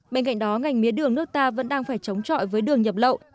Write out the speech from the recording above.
bên cạnh đó ngành mía đường nước ta vẫn đang phải chống trọi với đường nhập lậu